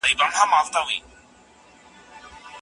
هغه د ورور سره اړيکې ساتلې.